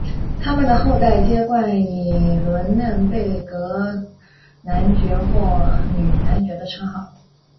他们的后代皆冠以伦嫩贝格男爵或女男爵的称号。